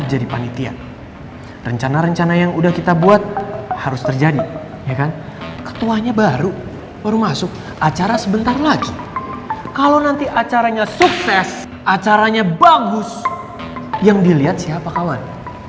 jadi panitia rencana rencana yang udah kita buat harus terjadi ya kan ketuanya baru baru masuk acara sebentar lagi kalau nanti acaranya sukses acaranya bagus yang dilihat siapa kawan